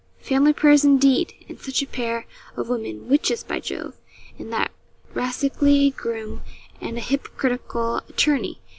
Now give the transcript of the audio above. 'Family prayers indeed! and such a pair of women witches, by Jove! and that rascally groom, and a hypocritical attorney!